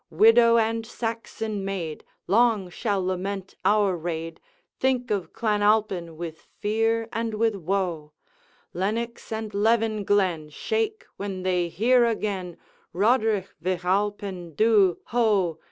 Widow and Saxon maid Long shall lament our raid, Think of Clan Alpine with fear and with woe; Lennox and Leven glen Shake when they hear again, 'Roderigh Vich Alpine dhu, ho!